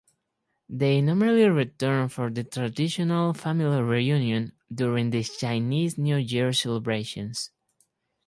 They normally return for the traditional family reunion during the Chinese New Year celebrations.